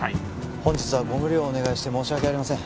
本日はご無理をお願いして申し訳ありません